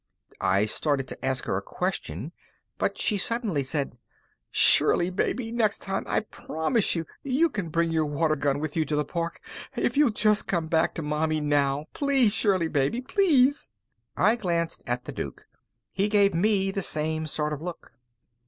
I started to ask her a question, but she suddenly said: "Shirley, baby, next time, I promise, you can bring your water gun with you to the park, if you'll just come back to Mommie now! Please, Shirley, baby! Please!" I glanced at the Duke. He gave me the same sort of look.